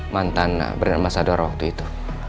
mantan brand ambasador waktu itu